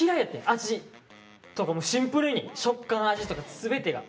味とかシンプルに食感味とか全てが。